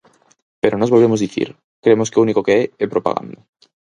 Pero nós volvemos dicir: cremos que o único que é, é propaganda.